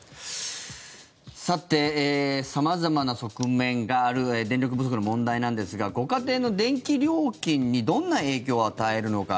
さて、様々な側面がある電力不足の問題なんですがご家庭の電気料金にどんな影響を与えるのか。